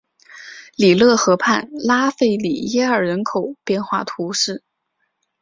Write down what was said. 里勒河畔拉费里耶尔人口变化图示